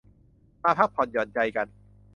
มาพักผ่อนหย่อนใจกัน